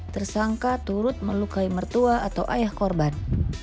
tersangka turut melukai mertua atau ayah korban